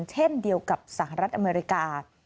เช่นเดียวกับสหรัฐอเมริกา